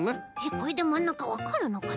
これでまんなかわかるのかな？